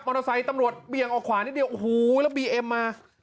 เตอร์ไซค์ตำรวจเบี่ยงออกขวานิดเดียวโอ้โหแล้วบีเอ็มมา